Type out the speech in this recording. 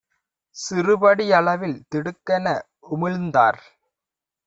சிறுபடி அளவில் திடுக்கென உமிழ்ந்தார்.